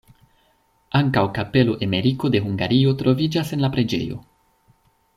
Ankaŭ kapelo Emeriko de Hungario troviĝas en la preĝejo.